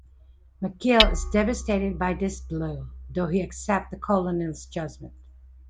McGill is devastated by this blow, though he accepts the Colonel's judgement.